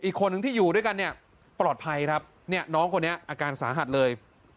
อีกคนนึงที่อยู่ด้วยกันเนี่ยปลอดภัยครับเนี่ยน้องคนนี้อาการสาหัสเลย